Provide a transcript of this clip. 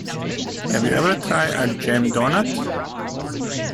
Have you ever tried a Jam Donut?